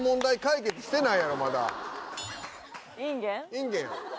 インゲンや。